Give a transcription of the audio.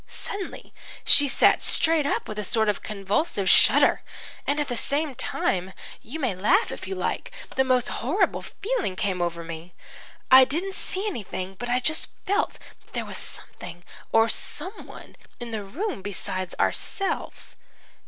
"Suddenly she sat straight up with a sort of convulsive shudder, and at the same time you may laugh if you like the most horrible feeling came over me. I didn't see anything, but I just felt that there was something or someone in the room besides ourselves.